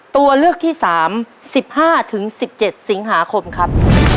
ตัวเลือกที่๓๑๕๑๗สิงหาคมครับ